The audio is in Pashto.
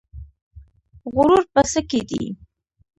غرور په څه کې دی؟